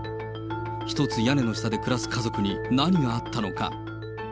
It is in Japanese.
一つ屋根の下で暮らす家族に何があったのか。